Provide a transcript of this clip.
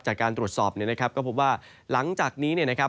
จากการตรวจสอบนะครับก็พบว่าหลังจากนี้นะครับ